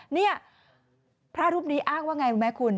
เนี่ยพระรูปนี้อ้ากว่าไงคุณแม่คุณ